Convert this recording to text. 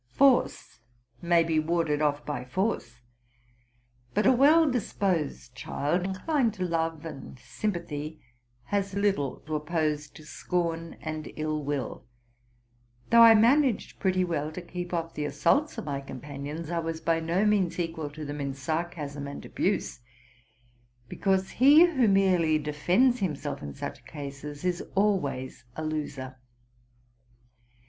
Foree may be warded off by force; but a well disposed child, inclined to love and sympathy, has little to oppose to scorn and ill will. Though I managed pretty well to keep off the assaults of my companions, I was by no means equal to them in sarcasm and abuse ; because he who merely defends himself in such cases is always a loser.